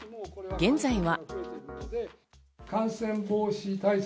現在は。